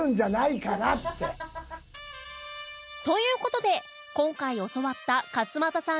という事で今回教わった勝俣さん